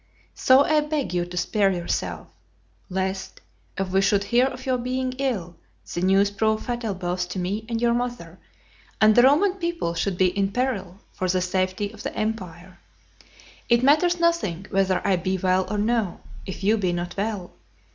So I beg you to spare yourself, lest, if we should hear of your being ill, the news prove fatal both to me and your mother, and the Roman people should be in peril for the safety of the empire. It matters nothing whether I be well or no, if you be not well.